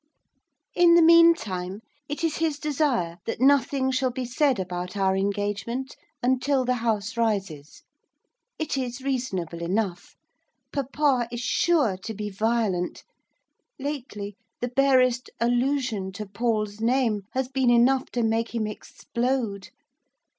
In the meantime, it is his desire that nothing shall be said about our engagement until the House rises. It is reasonable enough. Papa is sure to be violent, lately, the barest allusion to Paul's name has been enough to make him explode.